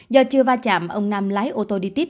do chưa va chạm ông nam lái ô tô đi tiếp